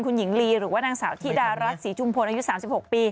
คุณหญิงลีหรือว่านางสาวธิดารัฐศรีชุมพลอายุ๓๖ปี